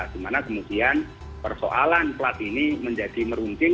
di mana kemudian persoalan plat ini menjadi merungting